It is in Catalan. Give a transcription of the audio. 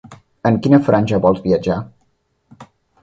En quina franja vols viatjar?